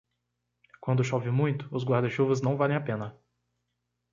Quando chove muito, os guarda-chuvas não valem a pena.